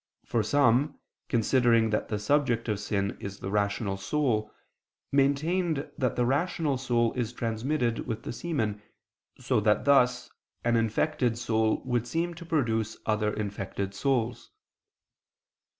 For some, considering that the subject of sin is the rational soul, maintained that the rational soul is transmitted with the semen, so that thus an infected soul would seem to produce other infected souls.